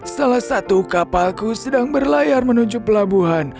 salah satu kapalku sedang berlayar menuju pelabuhan